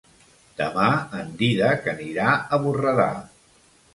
Demà en Dídac anirà a Borredà.